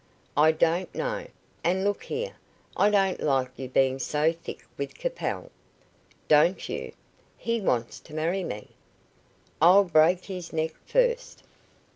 "I don't know. And look here, I don't like you being so thick with Capel." "Don't you? He wants to marry me." "I'll break his neck first."